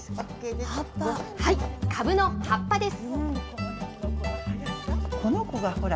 かぶの葉っぱです。